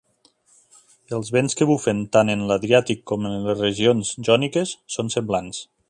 Els vents que bufen tan en l'Adriàtic com en les regions jòniques són semblants.